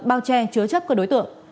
bao che chứa chấp các đối tượng